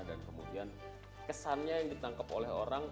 dan kemudian kesannya yang ditangkap oleh orang